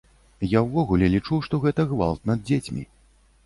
Я ўвогуле лічу, што гэта гвалт над дзецьмі.